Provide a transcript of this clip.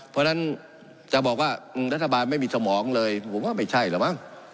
เพราะฉะนั้นจะบอกว่ารัฐบาลไม่มีสมองเลยผมว่าไม่ใช่แล้วมั้ง